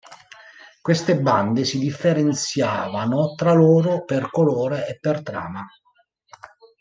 Queste bande si differenziavano tra loro per colore e per trama.